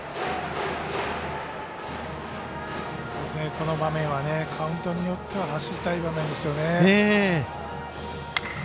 この場面はカウントによっては走りたい場面ですよね。